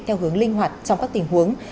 theo hướng linh hoạt trong các tình huống